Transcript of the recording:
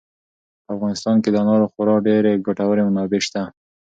په افغانستان کې د انارو خورا ډېرې او ګټورې منابع شته.